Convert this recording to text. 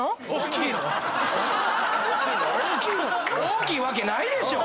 大きいわけないでしょ